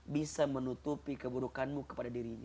bisa menutupi keburukanmu kepada dirimu